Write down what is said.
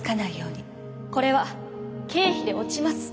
これは経費で落ちます。